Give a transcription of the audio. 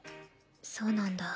そうなんだ。